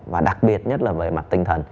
và đặc biệt nhất là về mặt tinh thần